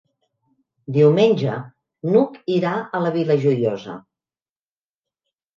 Diumenge n'Hug irà a la Vila Joiosa.